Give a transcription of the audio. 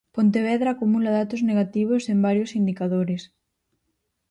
Pontevedra acumula datos negativos en varios indicadores.